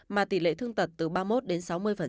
mà tỷ lệ thương tật từ ba mươi một đến sáu mươi